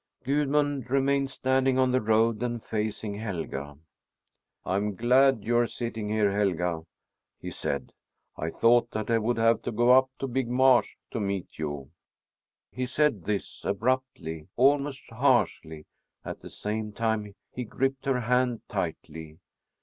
Gudmund remained standing on the road and facing Helga. "I am glad you are sitting here, Helga," he said. "I thought that I would have to go up to Big Marsh to meet you." He said this abruptly, almost harshly; at the same time he gripped her hand tightly.